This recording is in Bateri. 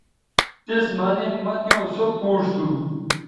تس مہ نن مہ تیوں سو پوڇ تھو